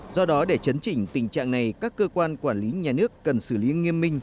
do đó để chấn chỉnh tình trạng này các cơ quan quản lý nhà nước cần xử lý nghiêm minh